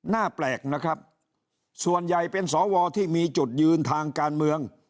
หน้าแปลกนะครับส่วนใหญ่เป็นสวที่มีจุดยืนทางการเมือง